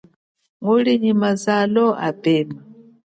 Nguli nyi mazalo apema.